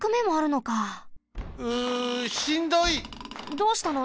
どうしたの？